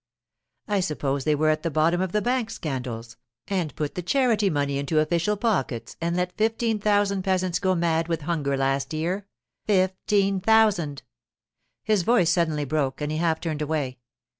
I suppose they were at the bottom of the bank scandals, and put the charity money into official pockets, and let fifteen thousand peasants go mad with hunger last year—fifteen thousand!——' His voice suddenly broke, and he half turned away.